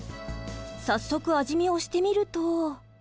早速味見をしてみると。